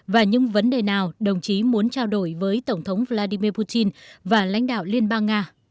và những vấn đề nào đồng chí muốn trao đổi với tổng thống vladimir putin và lãnh đạo liên bang nga